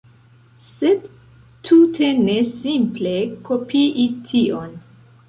Sed tute ne simple kopii tion